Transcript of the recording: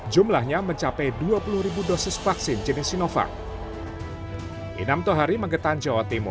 jumlahnya mencapai dua puluh ribu dosis vaksin jenis sinovac